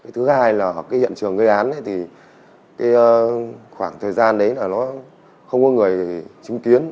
thứ hai là cái hiện trường gây án thì khoảng thời gian đấy là nó không có người chứng kiến